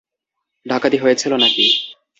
ডাকাতি হয়েছিল নাকি?